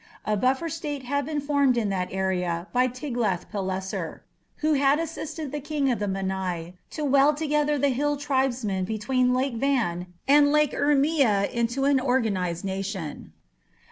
A buffer state had been formed in that area by Tiglath pileser, who had assisted the king of the Mannai to weld together the hill tribesmen between Lake Van and Lake Urmia into an organized nation.